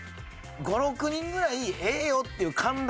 ５６人ぐらいええよっていう寛大な方。